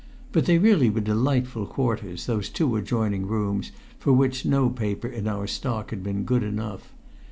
But they really were delightful quarters, those two adjoining rooms for which no paper in our stock had been good enough.